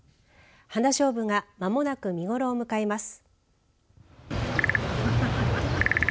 ハナショウブがまもなく見頃を迎えます。